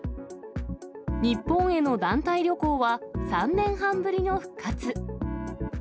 日本への団体旅行は、３年半ぶりの復活。